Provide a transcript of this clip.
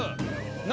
何？